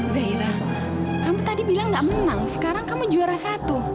zaira kamu tadi bilang gak menang sekarang kamu juara satu